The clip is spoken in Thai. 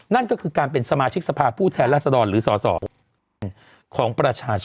นั่นก็คือการเป็นสมาชิกสภาพผู้แทนและทะเลอทหรือส่อปของประชาชน